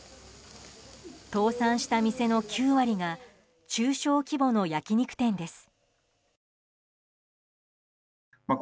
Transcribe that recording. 倒産した店の９割が中小規模の焼き肉店です。